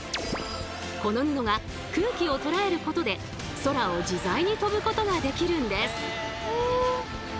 この布が空気をとらえることで空を自在に飛ぶことができるんです。